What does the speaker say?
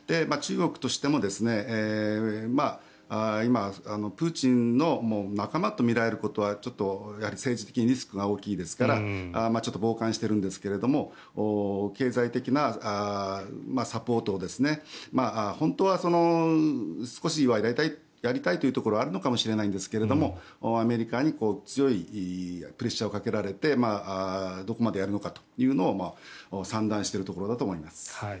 中国としても今、プーチンの仲間と見られることはちょっと政治的にリスクが大きいですからちょっと傍観してるんですが経済的なサポートを本当は、少しはやりたいというところはあるのかもしれないですがアメリカに強いプレッシャーをかけられてどこまでやるのかというのを算段しているところだと思います。